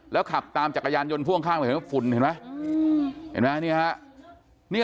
แล้วขับตามจักรยานยนต์พ่วงข้างไปเห็นไหมฝุ่นเห็นไหมนี่ครับ